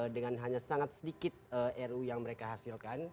dengan hanya sangat sedikit ru yang mereka hasilkan